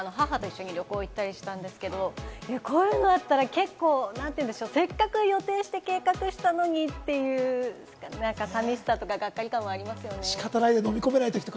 私もこの春、母と一緒に旅行したりしたんですけど、こういうのあったら結構、せっかく予定して計画したのにっていう寂しさとか、ガッカリ感はありますよね。